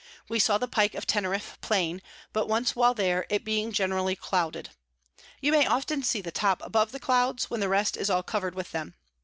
We saw the Pike of Teneriff plain but once while there, it being generally clouded; you may often see the Top above the Clouds, when the rest is all cover'd with them.